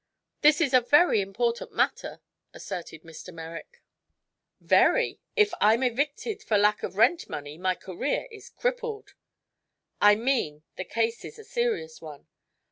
"This is a very important matter," asserted Mr. Merrick. "Very. If I'm evicted for lack of rent money my career is crippled." "I mean the case is a serious one."